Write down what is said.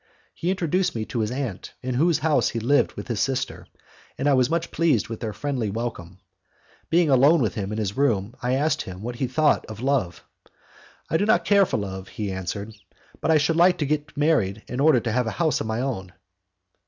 He introduced me to his aunt, in whose house he lived with his sister, and I was much pleased with their friendly welcome. Being alone with him in his room, I asked him what he thought of love. "I do not care for love," he answered: "but I should like to get married in order to have a house of my own."